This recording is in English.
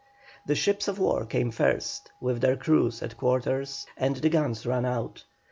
The ships of war came first, with their crews at quarters and the guns run out.